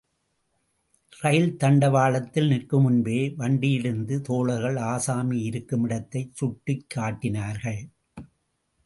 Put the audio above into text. ரயில் தண்ட வாளத்தில் நிற்குமுன்பே வண்டியிலிருந்த தோழர்கள் ஆசாமி இருக்குமிடத்தைச் சுட்டிக்காட்டினார்கள்.